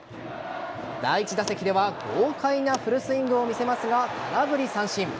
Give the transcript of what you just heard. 第１打席では豪快なフルスイングを見せますが空振り三振。